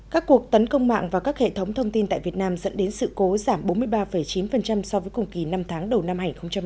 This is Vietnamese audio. các cuộc tấn công mạng và các hệ thống thông tin tại việt nam dẫn đến sự cố giảm bốn mươi ba chín so với cùng kỳ năm tháng đầu năm hai nghìn một mươi chín